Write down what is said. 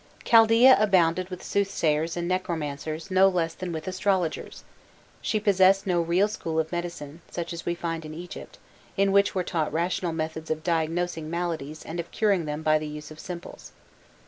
Chaldaea abounded with soothsayers and necromancers no less than with astrologers; she possessed no real school of medicine, such as we find in Egypt, in which were taught rational methods of diagnosing maladies and of curing them by the use of simples.